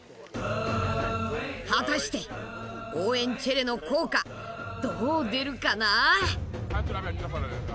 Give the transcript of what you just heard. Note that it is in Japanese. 果たして応援チェレの効果どう出るかな？